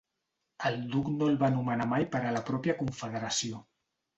El duc no el va nomenar mai per a la pròpia confederació.